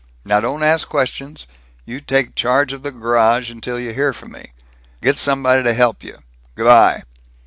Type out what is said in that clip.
Now don't ask questions. You take charge of the garage until you hear from me. Get somebody to help you. G' by."